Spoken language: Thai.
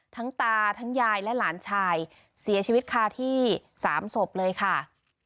ตาทั้งยายและหลานชายเสียชีวิตคาที่๓ศพเลยค่ะ